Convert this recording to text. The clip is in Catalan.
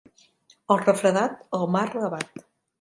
El refredat, el mar l'abat.